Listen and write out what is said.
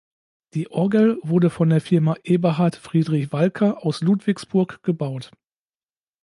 Die Orgel wurde von der Firma Eberhard Friedrich Walcker aus Ludwigsburg gebaut.